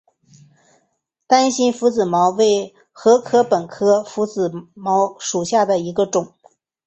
单蕊拂子茅为禾本科拂子茅属下的一个种。